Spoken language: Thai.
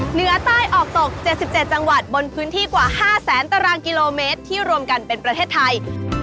เหนือใต้ออกตก๗๗จังหวัดบนพื้นที่กว่า๕แสนตารางกิโลเมตรที่รวมกันเป็นประเทศไทย